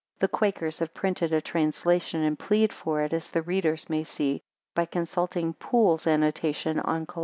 The Quakers have printed a translation, and plead for it, as the reader may see, by consulting Poole's Annotation on Col.